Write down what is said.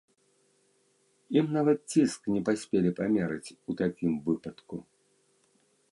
Ім нават ціск не паспелі памераць ў такім выпадку.